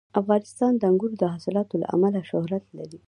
افغانستان د انګورو د حاصلاتو له امله شهرت لري.